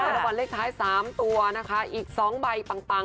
แล้วรางวัลเลขท้าย๓ตัวอีก๒ใบ